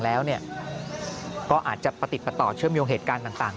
แล้วเนี่ยก็อาจจะประติภัตรเชื่อมโยงหัตต์การต่าง